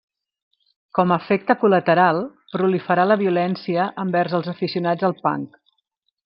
Com a efecte col·lateral, proliferà la violència envers els aficionats al punk.